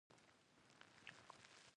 چې ادې پکښې ګلان گنډلي وو.